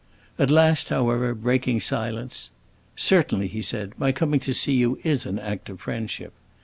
At last, however, breaking silence,—"Certainly," he said, "my coming to see you is an act of friendship.